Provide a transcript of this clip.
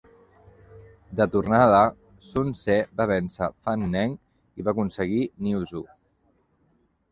De tornada, Sun Ce va vèncer Fan Neng i va aconseguir Niuzhu.